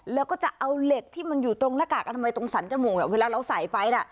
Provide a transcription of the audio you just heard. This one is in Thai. แล้วก็จะเอาเหล็กที่มันอยู่ตรงหน้ากากอนามัยตรงสรรจมูกเวลาเราใส่ไปน่ะ